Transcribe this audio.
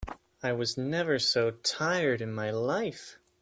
I was never so tired in my life.